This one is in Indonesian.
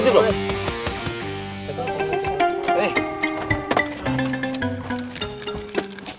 tidak tidak tidak